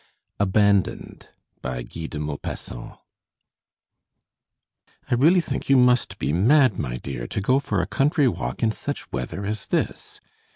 ABANDONED BY GUY DE MAUPASSANT "I really think you must be mad, my dear, to go for a country walk in such weather as this.